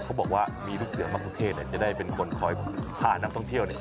เขาบอกว่ามีลูกเสือมสุเทศจะได้เป็นคนคอยผ่านำท่องเที่ยว